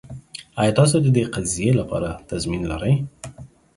ایا تاسو د دې قضیې لپاره تضمین لرئ؟